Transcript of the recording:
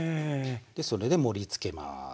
でそれで盛りつけます。